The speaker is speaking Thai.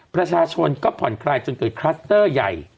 ประชาชนก็ผ่อนคลายจนเกิดคลัสเตอร์ใหญ่